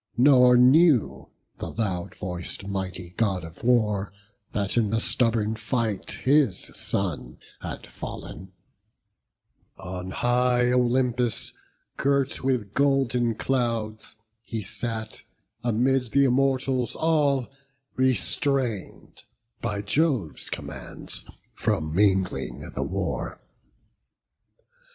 Nor knew the loud voic'd, mighty God of War That in the stubborn fight his son had fall'n; On high Olympus, girt with golden clouds, He sat, amid th' Immortals all, restrain'd, By Jove's commands, from mingling in the war.